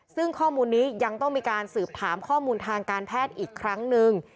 ซึ่งข้อมูลนี้ยังต้องมีการสืบถามข้อมูลทางการแพทย์อีกครั้งหนึ่ง